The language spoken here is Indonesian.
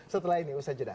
setelah ini usaha jenak